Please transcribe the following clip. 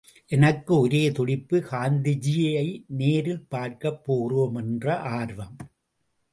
எனக்கு ஒரே துடிப்பு, காந்திஜியை நேரில் பார்க்கப் போகிறோம் என்ற ஆர்வம்.